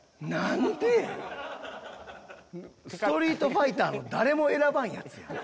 『ストリートファイター』の誰も選ばんヤツやん。